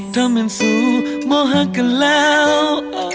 ถ้าเม้นซูโมหักกันแล้ว